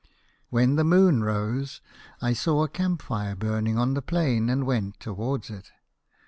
" When the moon rose I saw a camp fire burning on the plain, and went towards it.